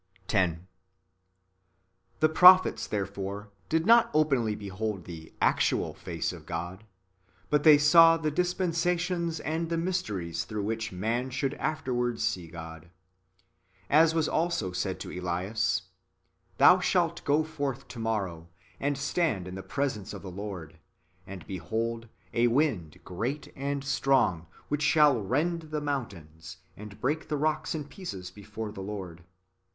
10. The prophets, therefore, did not openly behold the actual face of God, but [they saw] the dispensations and the mysteries through which man should afterwards see God. As was also said to Elias :" Thou shalt go forth to morrow, and stand in the presence of the Lord ; and, behold, a wind great and strong, which shall rend the mountains, and break the rocks in pieces before the Lord.